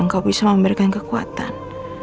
engkau bisa memberikan kekuatan